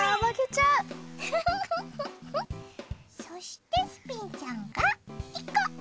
そしてスピンちゃんが１個。